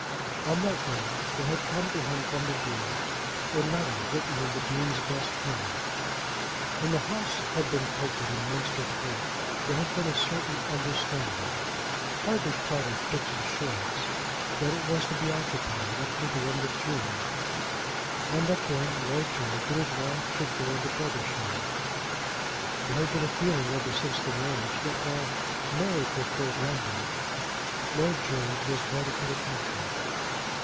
On that day there had come to him from the Dean a letter written in the Dean's best humour. When the house had been taken in Munster Court there had been a certain understanding, hardly quite a fixed assurance, that it was to be occupied up to the end of June, and that then Lord George and his wife should go into Brothershire. There had been a feeling ever since the marriage that while Mary preferred London, Lord George was wedded to the country.